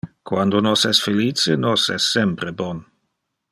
Quando nos es felice nos es sempre bon.